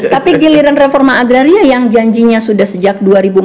tapi giliran reforma agraria yang janjinya sudah sejak dua ribu empat belas